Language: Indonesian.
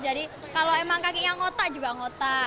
jadi kalau emang kakinya ngotak juga ngotak